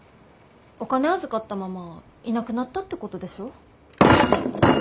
お金預かったままいなくなったってことでしょ？